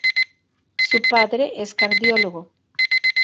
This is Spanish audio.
Su padre es cardiólogo.